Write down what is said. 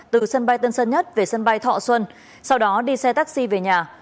từ sân bay tân sơn nhất về sân bay thọ xuân sau đó đi xe taxi về nhà